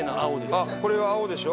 あっこれは青でしょ？